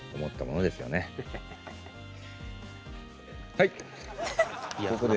はい！